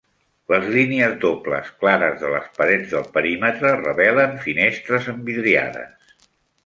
Les línies dobles clares de les parets del perímetre revelen finestres envidriades.